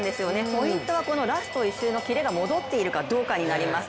ポイントはこのラスト１周のキレが戻っているかどうかになります。